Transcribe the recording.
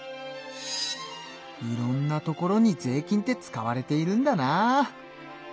いろんなところに税金って使われているんだなあ。